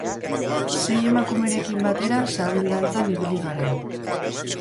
Sei emakumerekin batera sabel-dantzan ibili gara.